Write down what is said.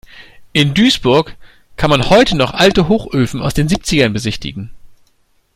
In Duisburg kann man heute noch alte Hochöfen aus den Siebzigern besichtigen.